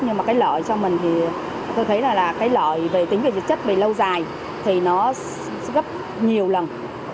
nhưng mà cái lợi cho mình thì tôi thấy là cái lợi về tính về dịch chất về lâu dài thì nó gấp nhiều lần